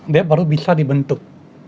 dia baru bisa dibentuk